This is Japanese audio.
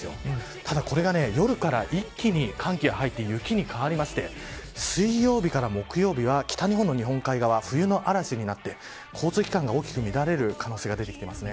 ただ、これが夜から一気に寒気が入って雪に変わりまして水曜日から木曜日は北日本の日本海側冬の嵐になって交通機関が大きく乱れる可能性がでてきます。